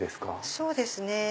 そうですね。